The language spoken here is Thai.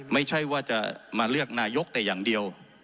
ไม่ใช่ว่าจะมาเลือกนายกแต่อย่างเดียว